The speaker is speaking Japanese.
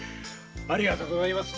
ありがとうございます。